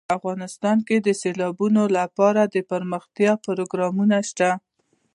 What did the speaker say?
افغانستان کې د سیلابونه لپاره دپرمختیا پروګرامونه شته.